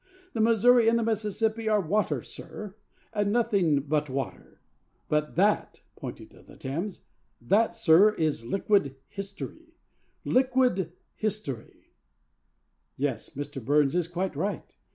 'The Missouri and the Mississippi are water, sir, and nothing but water; but that,' pointing to the Thames, 'that, sir, is liquid history, liquid history!' Yes, Mr. Burns is quite right.